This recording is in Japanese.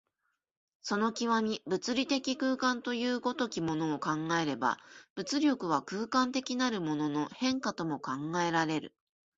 その極、物理的空間という如きものを考えれば、物力は空間的なるものの変化とも考えられる。